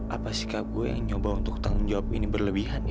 apa sikap gue yang nyoba untuk tanggung jawab ini berlebihan